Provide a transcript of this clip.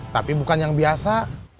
tapi bukan yang biasa